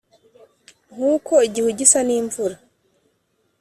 nkuko igihu gisa nimvura.